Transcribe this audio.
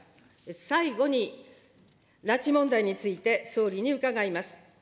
最後に、拉致問題について総理に伺います。